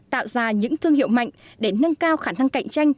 tạo ra những thương hiệu mạnh để nâng cao khả năng cạnh tranh